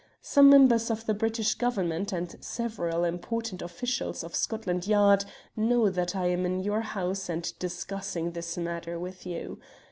Some members of the British Government, and several important officials of Scotland Yard know that I am in your house and discussing this matter with you.